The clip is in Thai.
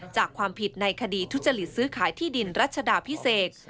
จากความผิดในคดีทุจริตซื้อขายที่ดินรัชดาพิเศษ